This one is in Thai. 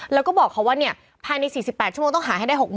แล้วก็บอกเขาว่าภายใน๔๘ชั่วโมงต้องหาให้ได้๖๐๐